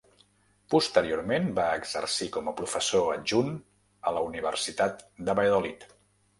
Posteriorment, va exercir com a professor adjunt a la Universitat de Valladolid.